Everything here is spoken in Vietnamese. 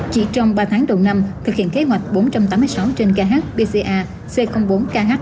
chỉ trong ba tháng đầu năm thực hiện kế hoạch bốn trăm tám mươi sáu trên khbca c bốn kh